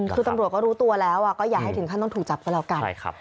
คือตำรวจก็รู้ตัวแล้วก็อย่าให้ถึงขั้นต้องถูกจับก็แล้วกัน